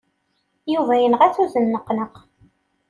Yuba yenɣa-t uzenneqnaq.